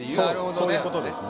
そういうことですね。